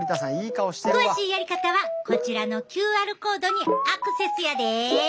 詳しいやり方はこちらのＱＲコードにアクセスやで！